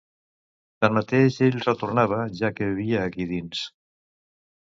Tanmateix ell retornava ja que vivia aquí dins.